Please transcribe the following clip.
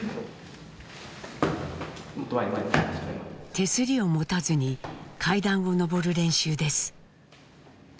手すりを持たずに階段を上る練習です。